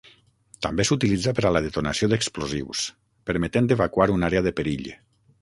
També s'utilitza per a la detonació d'explosius, permetent evacuar una àrea de perill.